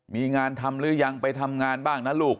มีงานทำหรือยังไปทำงานบ้างนะลูก